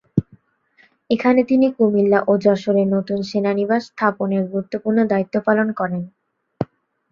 এখানে তিনি কুমিল্লা ও যশোরে নতুন সেনানিবাস স্থাপনের গুরুত্বপূর্ণ দ্বায়িত্ব পালন করেন।